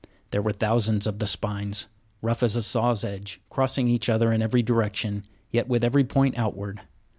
There were thousands of the spines, rough as a saw's edge, crossing each other in every direction, yet with every point outward.